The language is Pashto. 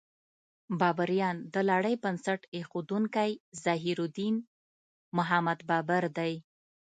بابریان: د لړۍ بنسټ ایښودونکی ظهیرالدین محمد بابر دی.